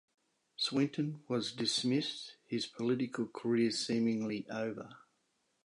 Swinton was dismissed, his political career seemingly over.